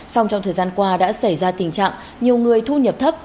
xong trong thời gian qua đã xảy ra tình trạng nhiều người thu nhập thấp